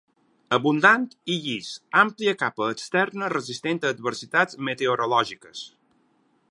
Abundant i llis; àmplia capa externa resistent a adversitats meteorològiques.